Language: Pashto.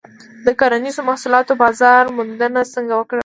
د کرنیزو محصولاتو بازار موندنه څنګه وکړم؟